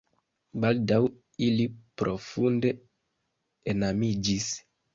Baldaŭ ili profunde enamiĝis.